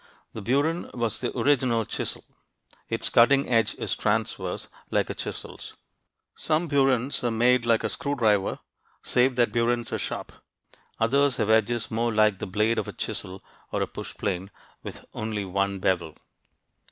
The burin was the original chisel. Its cutting edge is transverse, like a chisel's. Some burins are made like a screw driver, save that burins are sharp. Others have edges more like the blade of a chisel or a push plane, with only one bevel.